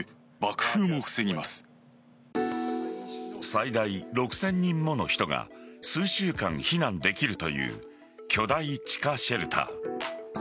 最大６０００人もの人が数週間避難できるという巨大地下シェルター。